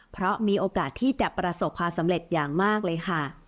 เพราะมีโอกาสที่จะประสบความสำเร็จอย่างมากเลยค่ะ